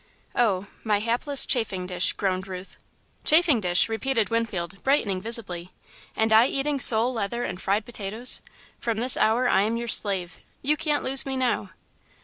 "Oh, my hapless chafing dish!" groaned Ruth. "Chafing dish?" repeated Winfield, brightening visibly. "And I eating sole leather and fried potatoes? From this hour I am your slave you can't lose me now!